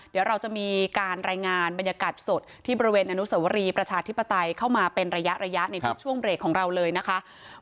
เดี๋ยวเราจะมีการรายงานบรรยากาศสดที่บริเวณอนุสวรีประชาธิปไตยเข้ามาเป็นระยะในทุกช่วงเบรกของเราเลยนะคะ